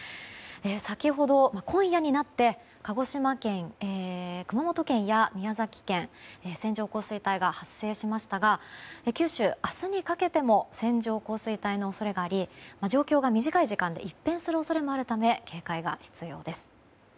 先ほど、今夜になって鹿児島県、熊本県や宮崎県線状降水帯が発生しましたが九州、明日にかけても線状降水帯の恐れがあり状況が短い時間で一変する恐れもあるため警戒が必要です。